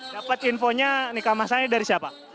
dapat infonya nikah masanya dari siapa